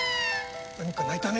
何か鳴いたね